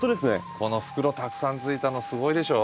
この袋たくさんついたのすごいでしょう？